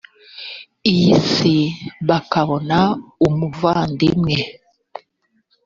iyi si bakabona umuvandimwe